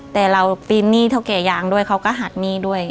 แต่เราปีนหนี้เท่าแก่ยางด้วยเขาก็หักหนี้ด้วย